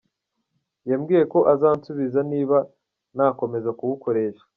Yambwiye ko izansubiza niba nakomeza kuwukoresha.